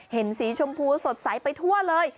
เห็นสีชมพูสดใสไปทั่วเลย